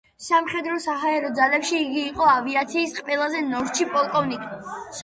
სამხედრო-საჰაერო ძალებში იგი იყო ავიაციის ყველაზე ნორჩი პოლკოვნიკი.